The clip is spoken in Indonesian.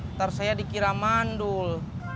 ntar saya dikira mandul